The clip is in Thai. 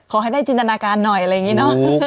ขอให้ได้จินธนาการหน่อยอะไรงี้เนาะ